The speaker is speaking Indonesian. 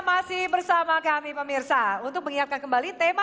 masih bersama kami pemirsa untuk mengingatkan kembali tema